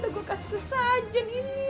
udah gue kasih sajen ini